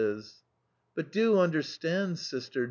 Do try to understand, sister!"